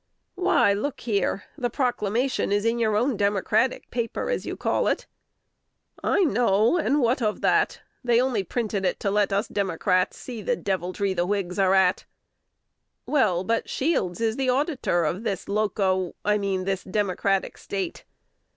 "_ "Why, look here! the proclamation is in your own Democratic paper, as you call it." "I know it; and what of that? They only printed it to let us Democrats see the deviltry the Whigs are at." "Well, but Shields is the auditor of this Loco I mean this Democratic State."